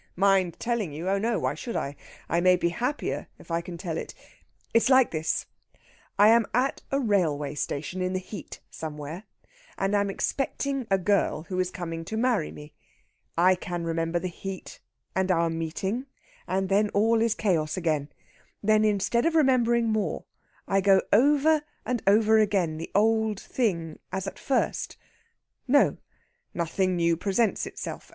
"Mind telling you? Oh no! why should I? I may be happier if I can tell it. It's like this. I am at a railway station in the heat somewhere, and am expecting a girl who is coming to marry me. I can remember the heat and our meeting, and then all is Chaos again. Then, instead of remembering more, I go over and over again the old thing as at first.... No! nothing new presents itself.